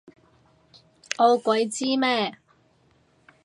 我鬼知咩？